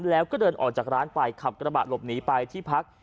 แล้วก็เดินออกจากร้านไปขับกระบะหลบหนีไปที่พัก